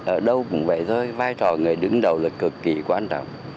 ở đâu cũng vậy thôi vai trò người đứng đầu là cực kỳ quan trọng